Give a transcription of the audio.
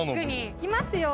いきますよ。